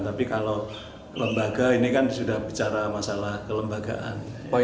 tapi kalau lembaga ini kan sudah bicara masalah kelembagaan